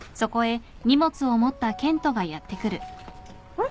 あれ？